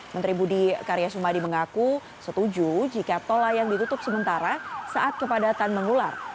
menteri budi karya sumadi mengaku setuju jika tol layang ditutup sementara saat kepadatan mengular